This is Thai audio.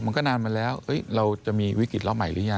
มันก็นานมาแล้วเราจะมีวิกฤตรอบใหม่หรือยัง